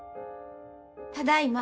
ただいま。